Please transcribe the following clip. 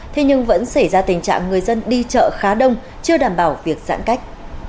thế nhưng vẫn xảy ra tình trạng người dân đi chợ khá đông chưa đảm bảo việc giãn cách